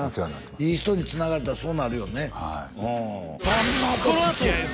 いい人につながれたらそうなるよね